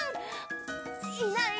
いない。